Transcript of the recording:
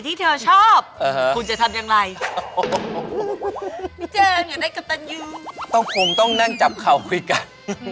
ต้องคงต้องนั่งจับเข่าคุยกัน